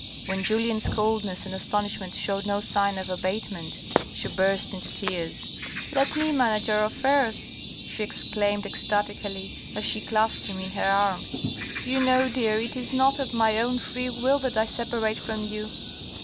When Julien's coldness and astonishment showed no sign of abatement, she burst into tears. " Let me manage our affairs," she exclaimed ecstatically, as she clasped him in her arms. "You know, dear, it is not of my own free will that I separate from you.